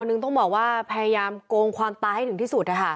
หนึ่งต้องบอกว่าพยายามโกงความตายให้ถึงที่สุดนะคะ